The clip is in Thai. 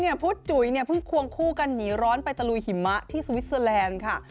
พุทธจุ๋ยเนี่ยเพิ่งควงคู่กันหนีร้อนไปตะลุยหิมะที่สวิสเตอร์แลนด์ค่ะ